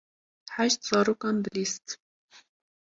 Heşt zarokan dilîst.